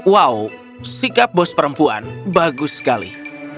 wow sikap bos perempuan bagus sekali